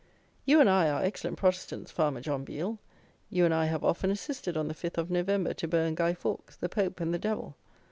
You and I are excellent Protestants, farmer John Biel; you and I have often assisted on the 5th of November to burn Guy Fawkes, the Pope and the Devil.